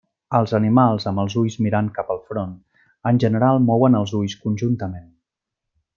Els animals amb els ulls mirant cap al front, en general mouen els ulls conjuntament.